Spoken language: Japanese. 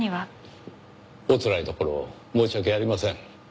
おつらいところ申し訳ありません。